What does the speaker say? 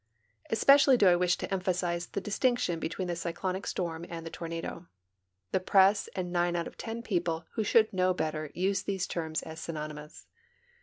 Especially do I wish to emphasize the distinction between the cyclonic storm and the tornado. The press and nine out of ten people who should know better use these terms as sjmon^nnous.